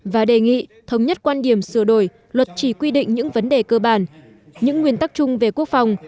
và đề nghị thống nhất quan điểm sửa đổi luật chỉ quy định những vấn đề cơ bản những nguyên tắc chung về quốc phòng